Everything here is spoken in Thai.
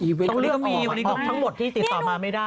อีเวนท์ต้องเลือกออกออกทั้งหมดที่ติดต่อมาไม่ได้